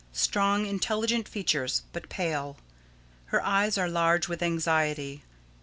Strong, intelligent features, but pale. Her eyes are large with anxiety.